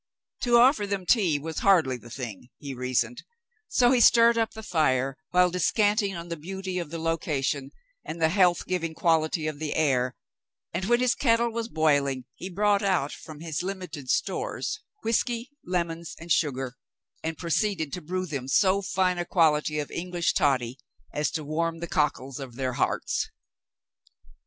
To offer them tea was hardly the thing, he reasoned, so he stirred up the fire, while descant ing on the beauty of the location and the health giving quality of the air, and when his kettle was boiling, he brought out from his limited stores whiskey, lemons, and sugar, and proceeded to brew them so fine a quality of English toddy as to warm the cockles of their hearts.